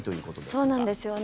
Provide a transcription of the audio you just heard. そうなんですよね。